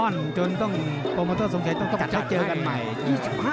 จนต้องโปรโมเตอร์สงสัยต้องใช้เจอกันใหม่